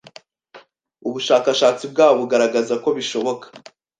Ubushakashatsi bwabo bugaragaza ko bishoboka